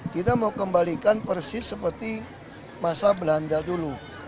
kita mau kembalikan persis seperti masa belanda dulu